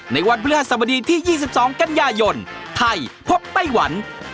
ในวันพฤหัสบดีที่๒๒กันยายนไทยพบไต้หวัน